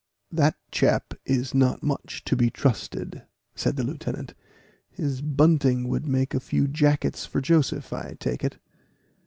"That chap is not much to be trusted," said the lieutenant; "his bunting would make a few jackets for Joseph, I take it."